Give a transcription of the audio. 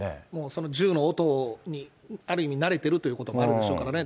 その銃の音に、ある意味慣れているということもあるでしょうからね。